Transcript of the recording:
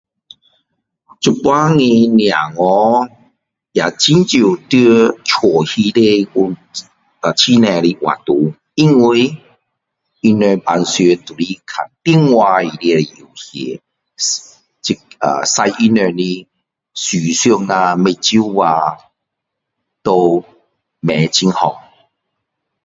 现在的孩子也很少在家里面有很多的画图因为他们平常都是看电话里面的游戏用他们的思想啊眼睛啊都不很好